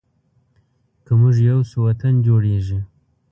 که مونږ یو شو، وطن جوړیږي.